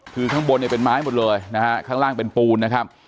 คือข้างบนเนี่ยเป็นไม้หมดเลยนะฮะข้างล่างเป็นปูนนะครับ